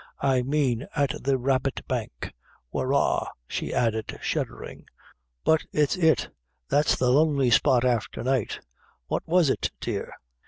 I mean at the Rabbit Bank. Wurrah," she added, shuddering, "but it's it that's the lonely spot after night! What was it, dear?"